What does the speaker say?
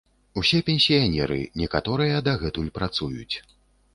Усе пенсіянеры, некаторыя дагэтуль працуюць.